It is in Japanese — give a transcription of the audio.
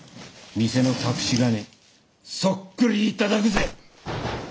店の隠し金そっくり頂くぜ。